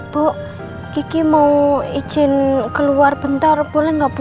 bu kiki mau izin keluar bentar boleh nggak bu